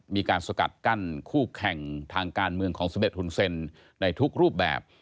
มีการสกัดกั้นคู่แข่งทางการเมืองของสำเร็จหุ่นเซ็นในทุกรูปแบบ